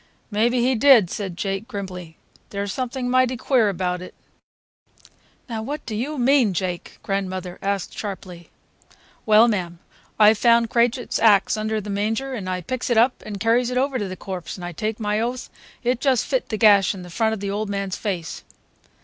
"Maybe he did," said Jake grimly. "There's something mighty queer about it." "Now what do you mean, Jake?" grandmother asked sharply. "Well, mam, I found Krajiek's axe under the manger, and I picks it up and carries it over to the corpse, and I take my oath it just fit the gash in the front of the old man's face.